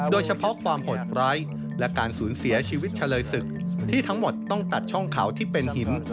โดยเฉพาะความโหดร้ายและการสูญเสียชีวิตเฉลยศึกที่ทั้งหมดต้องตัดช่องเขาที่เป็นหิน